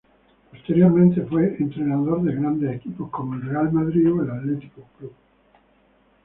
Posteriormente, fue entrenador de grandes equipos como Real Madrid o Athletic Club.